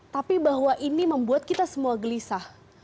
tapi bahwa ini membuat kita semua gelisah